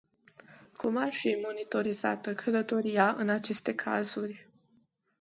Cum ar fi monitorizată călătoria în aceste cazuri?